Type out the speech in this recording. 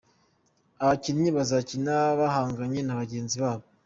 Aba bakinnyi bazakina bahanganye na bagenzi babo.